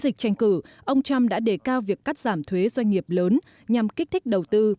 sau dịch tranh cử ông trump đã đề cao việc cắt giảm thuế doanh nghiệp lớn nhằm kích thích đầu tư